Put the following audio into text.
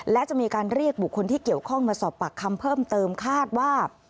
และจะมีการเรียกบุคคลที่เกี่ยวข้องมาสอบปากคำเพิ่มเติมคาดว่า